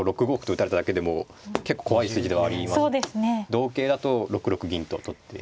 同桂だと６六銀と取って。